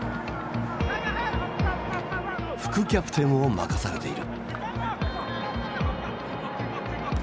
副キャプテンを任されている。